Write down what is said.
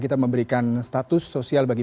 kita memberikan status sosial bagi